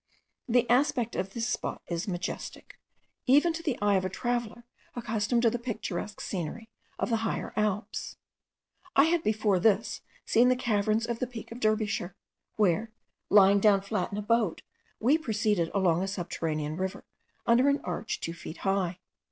The aspect of this spot is majestic, even to the eye of a traveller accustomed to the picturesque scenery of the higher Alps. I had before this seen the caverns of the peak of Derbyshire, where, lying down flat in a boat, we proceeded along a subterranean river, under an arch two feet high.